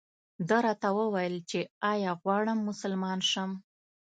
ده راته وویل چې ایا غواړم مسلمان شم.